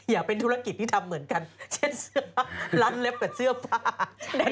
อย่าเป็นธุรกิจที่ทำเงินแบบเช่นเสื้อผ้าลั้นเล็บกับเสื้อผ้า